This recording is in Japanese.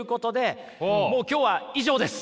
もう今日は以上です。